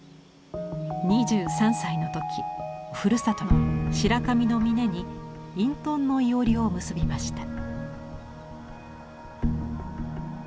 ２３歳の時ふるさとの白上の峰に隠とんの庵を結びました。